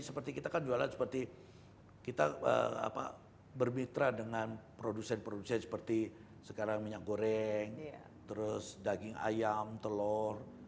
seperti kita kan jualan seperti kita bermitra dengan produsen produsen seperti sekarang minyak goreng terus daging ayam telur